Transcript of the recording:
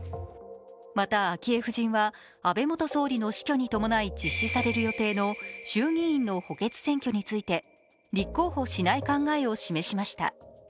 また、昭恵夫人は安倍元総理の死去に伴い実施される予定の衆議院の補欠選挙について立候補しない考えを示しました。